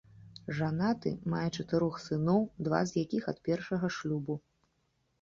Жанаты, мае чатырох сыноў, два з якіх ад першага шлюбу.